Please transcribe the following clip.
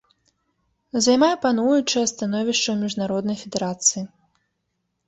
Займае пануючае становішча ў міжнароднай федэрацыі.